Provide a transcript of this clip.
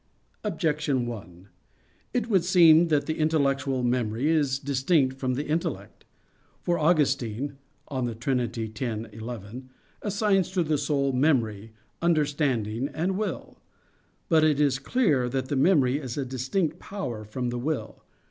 Objection 1: It would seem that the intellectual memory is distinct from the intellect. For Augustine (De Trin. x, 11) assigns to the soul memory, understanding, and will. But it is clear that the memory is a distinct power from the will.